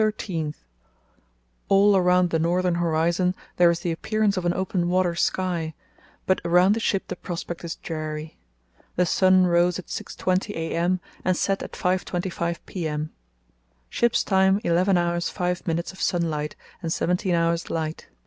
—All around the northern horizon there is the appearance of an open water sky, but around the ship the prospect is dreary. The sun rose at 6.20 a.m. and set at 5.25 p.m. Ship's time eleven hours five minutes of sunlight and seventeen hours light.